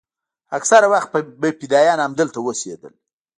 اکثره وخت به فدايان همدلته اوسېدل.